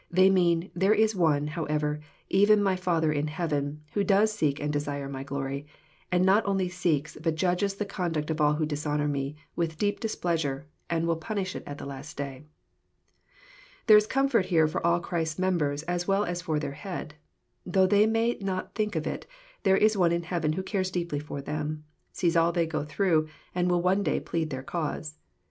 They mean, " There is One, however, even my Father in heaven, who does seek and desire my glory ; and not only seeks, but judges the conduct of all who dishonour Me, with deep displeasure, and will punish it at the last day." There is comfort here for all Christ's members as well as for their Head. Though they may not think of it, there is One in heaven who cares deeply for them, sees all they go through, and will one day plead their cause.